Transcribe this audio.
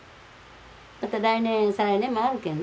また来年再来年もあるけんね。